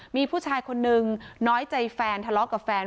มีผู้ชายคนนึงน้อยใจแฟนทะเลาะกับแฟน